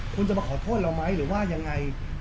คุณจะมาขอโทษเราไหมหรือว่ายังไง